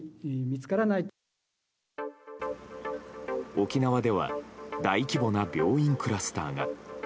沖縄では大規模な病院クラスターが。